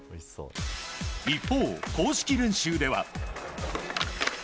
一方、公式練習では。